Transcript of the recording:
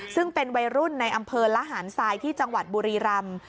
ซึ่งเป็นวัยรุ่นในอำเภอละหารทรายที่จังหวัดบุรีรำ